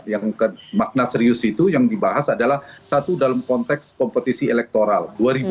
yang kemakna serius itu yang dibahas adalah satu dalam konteks kompetisi elektoral dua ribu dua puluh